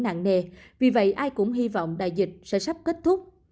các nền kinh tế bị ảnh hưởng nặng nề vì vậy ai cũng hy vọng đại dịch sẽ sắp kết thúc